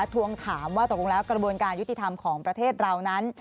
ทวงถามว่าตกลงแล้วกระบวนการยุติธรรมของประเทศเรานั้น